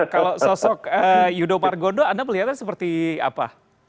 kalau sosok yudo margondo anda melihatnya seperti apa